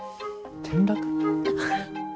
転落？